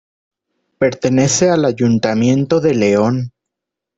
Pertenece al Ayuntamiento de León.